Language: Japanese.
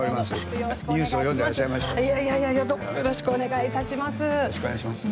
よろしくお願いします。